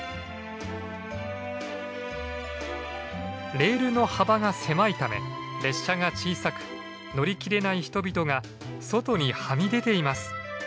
レールの幅が狭いため列車が小さく乗り切れない人々が外にはみ出ています。